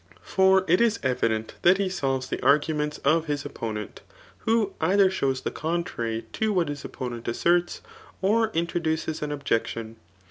For it is evident that he solves [the aigu* niMts of his opponent,^ who ^ther shows [the contrary to what his opponent asserts,] or introduces an ofajecdon..